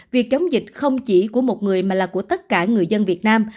việc chống dịch không chỉ của một người mà là của tất cả người dân việt nam